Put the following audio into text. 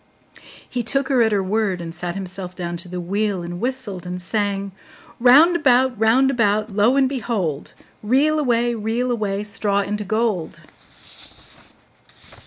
He took her at her word, and sat himself down to the wheel, and whistled and sang: 'Round about, round about, Lo and behold! Reel away, reel away, Straw into gold!